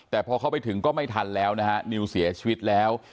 แต่พอเข้าไปถึงก็ไม่ทันแล้วนะฮะนิวเสียชีวิตแล้ว